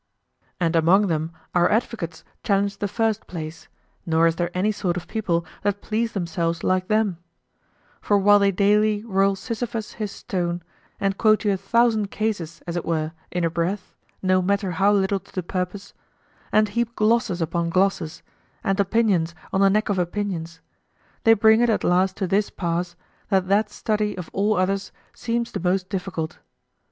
And among them our advocates challenge the first place, nor is there any sort of people that please themselves like them: for while they daily roll Sisyphus his stone, and quote you a thousand cases, as it were, in a breath no matter how little to the purpose, and heap glosses upon glosses, and opinions on the neck of opinions, they bring it at last to this pass, that that study of all other seems the most difficult.